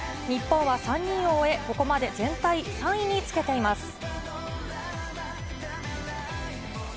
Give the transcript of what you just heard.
日本は３人を終え、ここまで全体３位につけています。